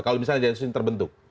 kalau misalnya densus ini terbentuk